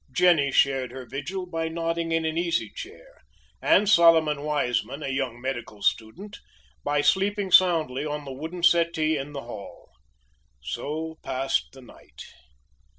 Jenny shared her vigil by nodding in an easy chair; and Solomon Weismann, a young medical student, by sleeping soundly on the wooden settee in the hall. So passed the night.